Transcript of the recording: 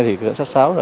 thì cảnh sát sáu